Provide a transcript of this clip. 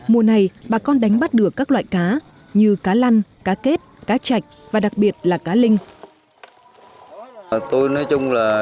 mùa này bà con đánh bắt được các loại cá như cá lăn cá kết cá chạch và đặc biệt là cá linh